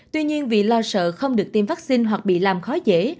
tuy nhiên vì lo sợ không được tiêm vaccine hoặc bị làm khó dễ